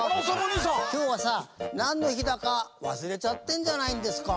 きょうはさなんのひだかわすれちゃってんじゃないんですか？